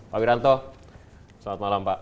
pak wiranto selamat malam pak